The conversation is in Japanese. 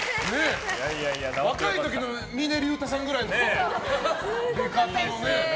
若い時の峰竜太さんくらいの出方のね。